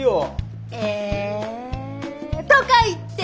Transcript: え。とか言って！